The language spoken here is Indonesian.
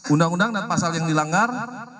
undang undang dan pasal yang dilanggar